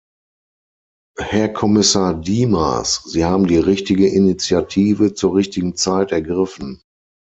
Herr Kommissar Dimas, Sie haben die richtige Initiative zur richtigen Zeit ergriffen.